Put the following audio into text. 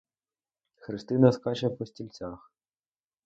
Христина скаче по стільцях.